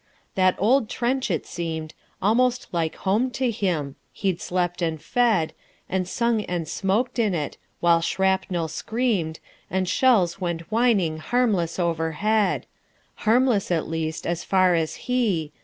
That old trench, it seemed Almost like home to him. He'd slept and fed And sung and smoked in it, while shrapnel screamed And shells went whining harmless overhead Harmless, at least, as far as he....